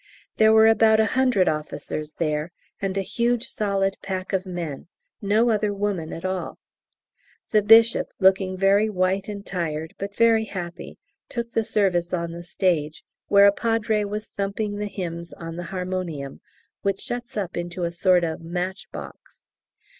There were about a hundred officers there, and a huge solid pack of men; no other woman at all. The Bishop, looking very white and tired but very happy, took the service on the stage, where a Padre was thumping the hymns on the harmonium (which shuts up into a sort of matchbox).